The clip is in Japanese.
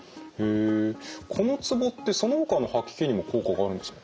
このツボってそのほかの吐き気にも効果があるんですか？